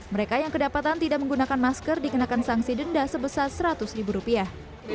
mereka yang kedapatan tidak menggunakan masker dikenakan sanksi denda sebesar seratus ribu rupiah